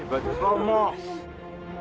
biar gue selamat